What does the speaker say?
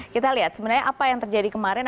kita lihat sebenarnya apa yang terjadi kemarin